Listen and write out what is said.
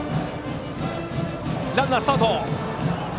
ランナー、スタート！